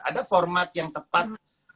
ada format yang tepat